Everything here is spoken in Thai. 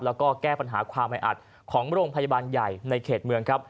แล้วก็แก้ปัญหาความแออัดของโรงพยาบาลใหญ่ในเขตเมืองครับ